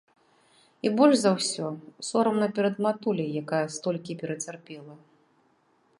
І больш за ўсё сорамна перад матуляй, якая столькі перацярпела.